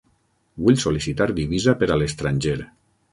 Vull sol·licitar divisa per a l'estranger.